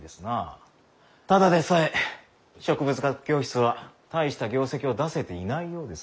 ただでさえ植物学教室は大した業績を出せていないようですが。